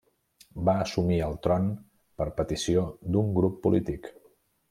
Va assumir el tron per petició d'un grup polític.